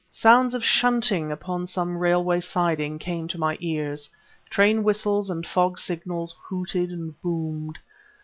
Sounds of shunting upon some railway siding came to my ears; train whistles and fog signals hooted and boomed.